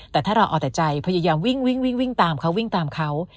แต่ถ้าเราอ่อแต่ใจพยายามวิ่งตามเขา